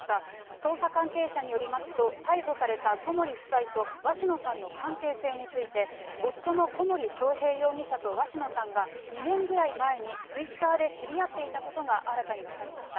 捜査関係者によりますと、逮捕された小森夫妻と鷲野さんの関係性について、夫の小森章平容疑者と鷲野さんが、２年ぐらい前にツイッターで知り合っていたことが新たに分かりました。